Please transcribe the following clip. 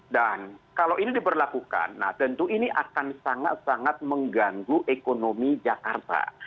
dan kalau ini diperlakukan tentu ini akan sangat sangat mengganggu ekonomi jakarta